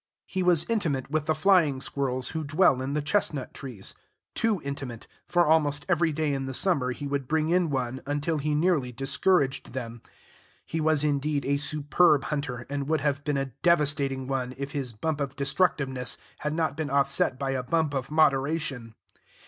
He was intimate with the flying squirrels who dwell in the chestnut trees, too intimate, for almost every day in the summer he would bring in one, until he nearly discouraged them. He was, indeed, a superb hunter, and would have been a devastating one, if his bump of destructiveness had not been offset by a bump of moderation.